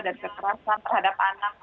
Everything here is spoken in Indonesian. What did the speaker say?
dan kekerasan terhadap anak